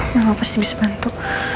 mbak pasti bisa bantu